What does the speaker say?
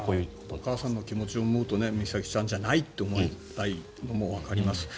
お母さんの気持ちを思うと美咲さんじゃないと思いたいのもわかります。